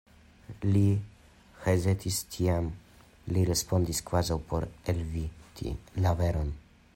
Li hezitis; tiam li respondis kvazaŭ por eviti la veron: